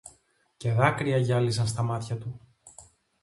Και δάκρυα γυάλιζαν στα μάτια του